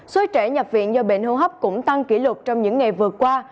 số trẻ nhập viện do bệnh hô hấp cũng tăng kỷ lục trong những ngày vừa qua